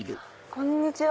こんにちは。